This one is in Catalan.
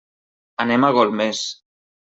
Anem a Golmés.